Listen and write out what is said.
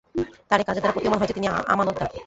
তাঁর এ কাজের দ্বারা প্রতীয়মান হয় যে, তিনি আমানতদার।